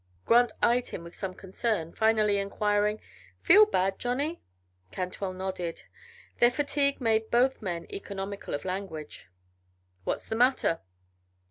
Grant eyed him with some concern, finally inquiring, "Feel bad, Johnny?" Cantwell nodded. Their fatigue made both men economical of language. "What's the matter?"